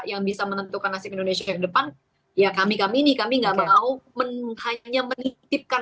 yang bisa menentukan nasib indonesia ke depan ya kami kami ini kami nggak mau hanya menitipkan